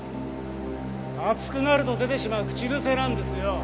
熱くなると出てしまう口癖なんですよ。